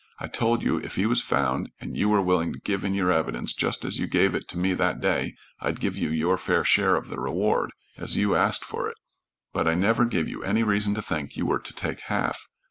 I told you if he was found and you were willing to give in your evidence just as you gave it to me that day, I'd give you your fair share of the reward, as you asked for it, but I never gave you any reason to think you were to take half.